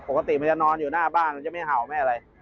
ปกติมันจะนอนอยู่หน้าบ้านมันจะไม่เห่าไม่อะไร